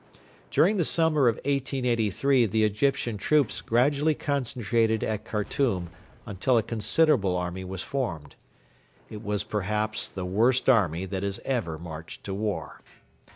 During the summer of 1883 the Egyptian troops gradually concentrated at Khartoum until a considerable army was formed. It was perhaps the worst army that has ever marched to war.